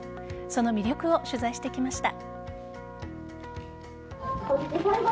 その魅力を取材してきました。